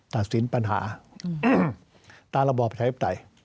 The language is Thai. ตัดสินปัญหาตามระบอบประชาธิปไตย